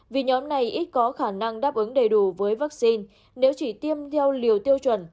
vì nhóm này ít có khả năng đáp ứng đầy đủ với vaccine nếu chỉ tiêm theo liều tiêu chuẩn